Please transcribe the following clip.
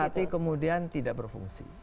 tapi kemudian tidak berfungsi